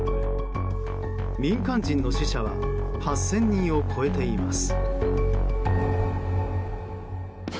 民間人の死者は８０００人を超えています。